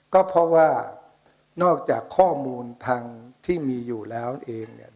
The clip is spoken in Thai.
ก็เพราะว่านอกจากข้อมูลทางที่มีอยู่แล้วเองเนี่ย